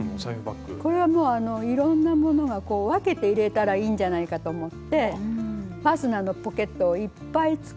これはもういろんなものが分けて入れたらいいんじゃないかと思ってファスナーのポケットをいっぱい作って。